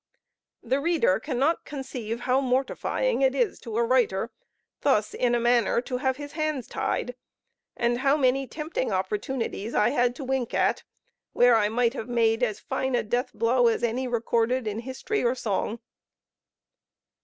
The reader cannot conceive how mortifying it is to a writer thus in a manner to have his hands tied, and how many tempting opportunities I had to wink at, where I might have made as fine a death blow as any recorded in history or song.